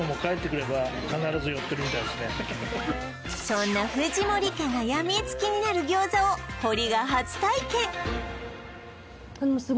そんな藤森家がやみつきになる餃子を堀が初体験でもすごい